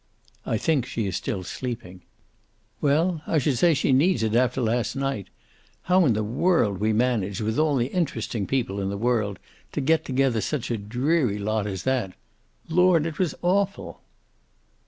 "I think she is still sleeping." "Well, I should say she needs it, after last night. How in the world we manage, with all the interesting people in the world, to get together such a dreary lot as that Lord, it was awful."